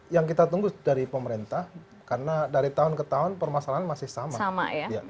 yang kita tunggu dari pemerintah karena dari tahun ke tahun permasalahan masih sama